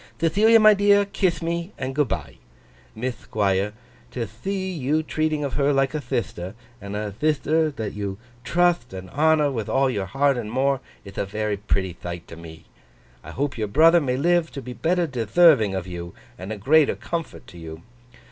'Thethilia my dear, kith me and good bye! Mith Thquire, to thee you treating of her like a thithter, and a thithter that you trutht and honour with all your heart and more, ith a very pretty thight to me. I hope your brother may live to be better detherving of you, and a greater comfort to you.